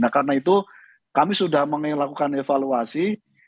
karena itu kami sudah melakukan evaluasi